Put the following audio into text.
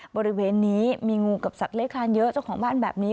บริเวณนี้มีงูกับสัตว์เลขคลานเยอะเจ้าของบ้านแบบนี้